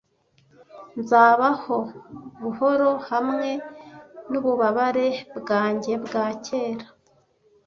nzabaho buhoro hamwe nububabare bwanjye bwa kera